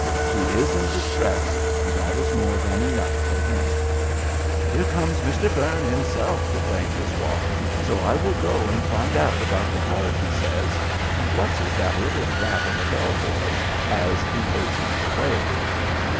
She is in distress, and that is more than enough for him. "Here comes Mr. Fearn himself to claim his walk, so I will go and find out about the card," he says, and blesses that little rat of a bell boy as he hastens away.